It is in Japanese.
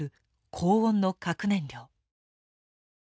高温の核燃料。